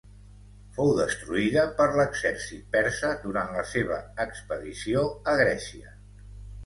Fou destruïda per l'exèrcit persa durant la seva expedició a Grècia.